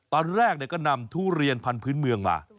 ตอนแรกก็นำทุเรียนพันธุ์เมืองมา